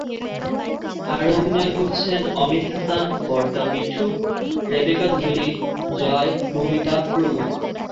আরও অভিনয় করছেন অমিত হাসান, বড়দা মিঠু, রেবেকা জলি, জয়, মৌমিতা প্রমুখ।